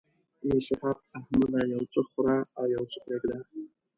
نصيحت: احمده! یو څه خوره او يو څه پرېږده.